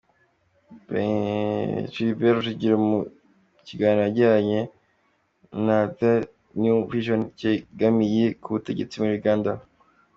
Tribert Rujugiro mu kiganiro yagiranye na The New Vision, kegamiye k’ubutegetsi muri Uganda.